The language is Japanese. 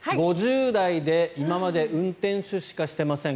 ５０代で今まで運転手しかしてません